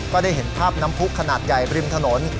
ก็ได้เห็นภาพน้ำผู้ขนาดใหญ่ริมถนน